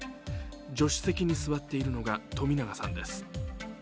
助手席に座っているのが冨永さんです。